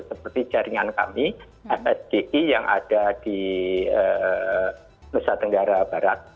seperti jaringan kami fsgi yang ada di nusa tenggara barat